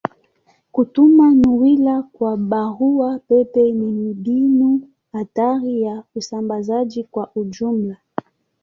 Kutuma nywila kwa barua pepe ni mbinu hatari ya usambazaji kwa ujumla.